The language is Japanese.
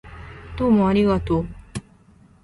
どうもありがとう